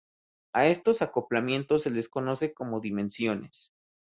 A estos acoplamientos se les conoce como dimensiones.